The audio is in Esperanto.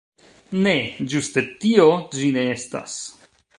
Ne, ĝuste tio ĝi ne estas!